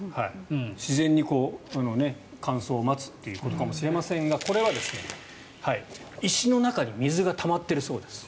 自然に乾燥を待つということかもしれませんがこれは石の中に水がたまっているそうです。